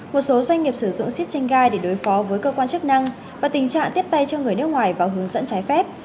một số doanh nghiệp sử dụng siết chanh gai để đối phó với cơ quan chức năng và tình trạng tiếp tay cho người nước ngoài vào hướng dẫn trái phép